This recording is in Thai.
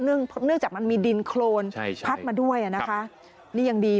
เนื่องจากมันมีดินโครนพัดมาด้วยอ่ะนะคะนี่ยังดี